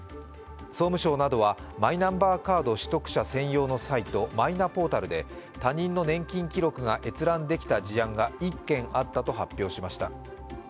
総務省などはマイナンバーカード取得者専用のサイト、マイナポータルで他人の年金記録が閲覧できた事案が１件あったと発表しました。